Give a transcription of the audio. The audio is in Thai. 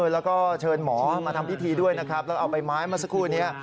แล้วก็เชิญหมอมาทำพิธีด้วยนะครับแล้วเอาใบไม้เมื่อสักครู่นี้